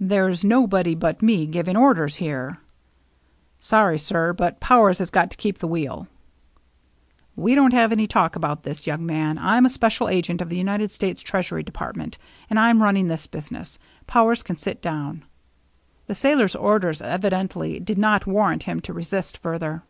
"There's nobody but me giving orders here." " Sorry, sir ; but Powers has got to keep the wheel." " We won't have any talk about this, young man. I'm a special agent of the United States Treasury Department, and I'm running this business. Powers can sit down." The sailor's orders evidently did not warrant him to resist further.